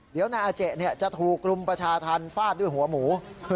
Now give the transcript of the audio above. เดี๋ยวนายอาเจจะถูกรุมประชาธรรมฟาดด้วยหัวหมู